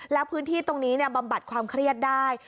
แล้วพื้นที่ตรงนี้บำบัดความเครียดได้